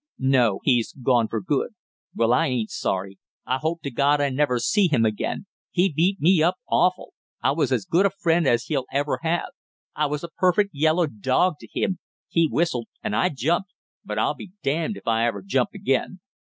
"No, he's gone for good." "Well, I ain't sorry. I hope to God I never see him again he beat me up awful! I was as good a friend as he'll ever have; I was a perfect yellow dog to him; he whistled and I jumped, but I'll be damned if I ever jump again!